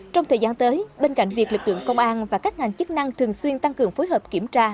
trong thời gian tới bên cạnh việc lực lượng công an và các ngành chức năng thường xuyên tăng cường phối hợp kiểm tra